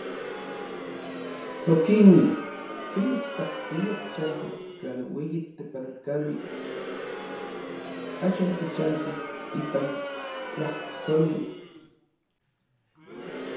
Okilui: "Ken mitspaktia tichantis kan ueyi tepankali, axan tichantis ipan tlajsoli".